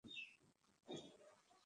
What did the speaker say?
জীবনের কষ্ট ও বিষাদ তার কবিতার মূল বিষয়।